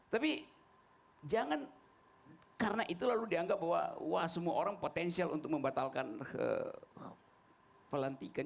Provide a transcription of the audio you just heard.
tapi jangan karena itu lalu dianggap bahwa wah semua orang potensial untuk membatalkan pelantikan